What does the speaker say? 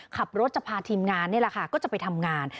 ขับรถจะพาทีมงานนี่แหละค่ะก็จะไปทำงาน